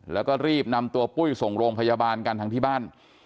แล้วก็รีบนำตัวปุ้ยส่งโรงพยาบาลกันทั้งที่บ้าน